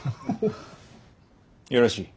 よろしい。